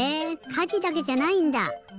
かじだけじゃないんだ！